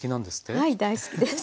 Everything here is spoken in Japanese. はい大好きです。